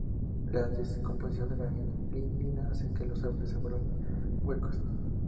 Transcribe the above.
La descomposición de la lignina hace que los árboles se vuelvan huecos.